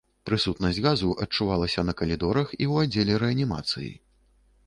Прысутнасць газу адчувалася на калідорах і ў аддзеле рэанімацыі.